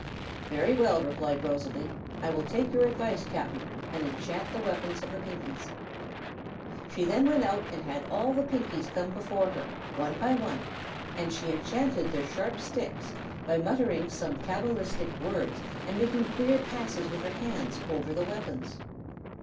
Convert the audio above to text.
"Very well," replied Rosalie; "I will take your advice, Cap'n, and enchant the weapons of the Pinkies." She then went out and had all the Pinkies come before her, one by one, and she enchanted their sharp sticks by muttering some cabalistic words and making queer passes with her hands over the weapons.